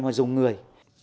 ngoài dùng người